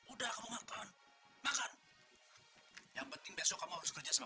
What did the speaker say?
udah makan makan yang penting besok kamu harus kerjasama